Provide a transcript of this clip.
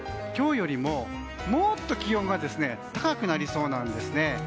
今日よりも、もっと気温が高くなりそうなんですね。